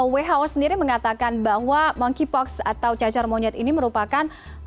who sendiri mengatakan bahwa monkeypox atau cacar monyet ini merupakan